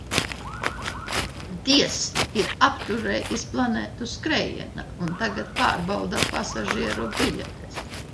Dievs ir apturējis planētu skrējienā un tagad pārbauda pasažieru biļetes.